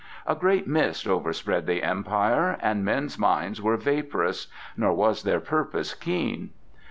A great mist overspread the Empire and men's minds were vaporous, nor was their purpose keen.